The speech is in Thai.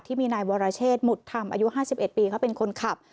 ที่มีนายวรเชษหมุดธรรมอายุ๕๑ปีเขาเป็นคนขับ